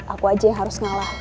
aku aja yang harus ngalah